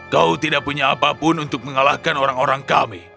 kau tidak punya apapun untuk mengalahkan orang orang kami